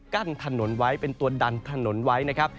กั้นถนนไว้เป็นตัวดันถนนไว้นะครับ